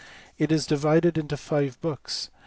It is divided into five books.